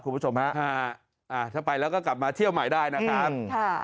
คุณผู้ชมฮะอ่าถ้าไปแล้วก็กลับมาเที่ยวใหม่ได้นะครับ